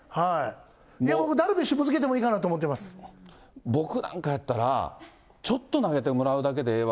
でも僕、ダルビッシュぶつけても僕なんかやったら、ちょっと投げてもらうだけでええわ。